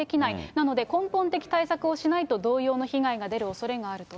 なので、根本的対策をしないと同様の被害が出るおそれがあると。